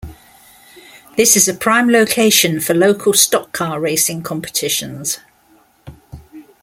This is a prime location for local stock-car racing competitions.